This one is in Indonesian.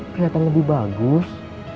kelihatan lebih bagus